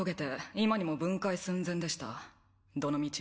今にも分解寸前でしたどのみち